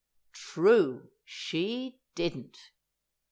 True! She didn't!